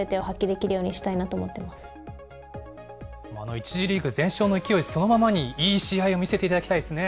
１次リーグ全勝の勢いそのままにいい試合を見せていただきたいですね。